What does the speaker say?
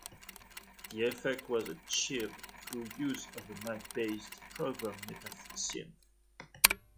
The effect was achieved through use of the Mac-based program MetaSynth.